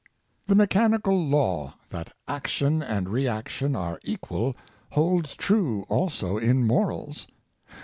The mechanical law, that action and reaction are equal, holds true also in morals.